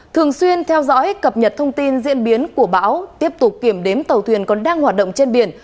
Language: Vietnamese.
thường xuyên theo dõi cập nhật thông tin diễn biến của bão tiếp tục kiểm đếm tàu thuyền còn đang hoạt động trên biển